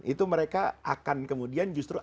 itu mereka akan kemudian justru